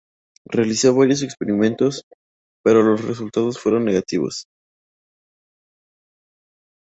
Realizó varios experimentos pero los resultados fueron negativos.